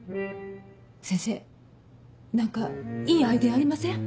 先生何かいいアイデアありません？